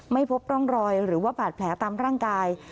ไม่พบร่องรอยหรือว่าบาดแผลตามร่างกาย